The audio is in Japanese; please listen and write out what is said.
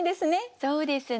そうですね。